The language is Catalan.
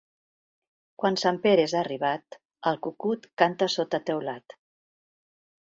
Quan Sant Pere és arribat, el cucut canta sota teulat.